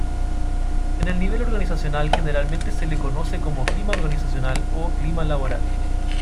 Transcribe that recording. En el nivel organizacional generalmente se le conoce como clima organizacional o clima laboral.